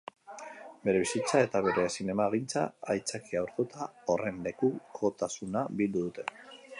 Bere bizitza eta bere zinemagintza aitzakia hartuta, horren lekukotasuna bildu dute.